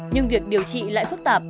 nhưng việc điều trị lại phức tạp